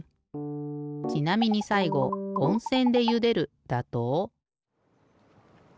ちなみにさいごおんせんでゆでるだと。